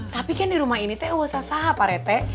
tapi kan di rumah ini teh wosah wosah pak rete